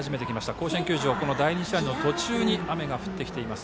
甲子園球場は第２試合の途中に雨が降ってきています。